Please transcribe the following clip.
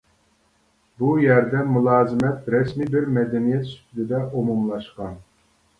بۇ يەردە مۇلازىمەت رەسمىي بىر مەدەنىيەت سۈپىتىدە ئومۇملاشقان.